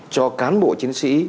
cho cán bộ chiến sĩ